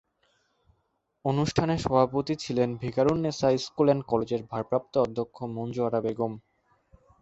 অনুষ্ঠানে সভাপতি ছিলেন ভিকারুননিসা নূন স্কুল অ্যান্ড কলেজের ভারপ্রাপ্ত অধ্যক্ষ মঞ্জু আরা বেগম।